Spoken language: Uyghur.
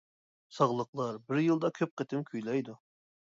ساغلىقلار بىر يىلدا كۆپ قېتىم كۈيلەيدۇ.